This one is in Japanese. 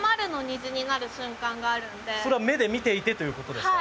それは目で見ていてという事ですか？